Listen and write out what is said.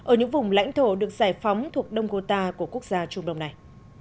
ở những vùng lãnh thổ được giải phóng thuộc đông gota của quốc gia trung đông này